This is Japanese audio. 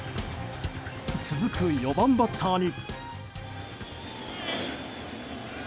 続く４番バッターに。